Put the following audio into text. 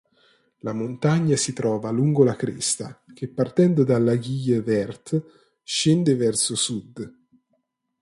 La montagna si trova lungo la cresta che partendo dall'Aiguille Verte scende verso sud.